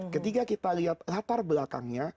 ketika kita lihat latar belakangnya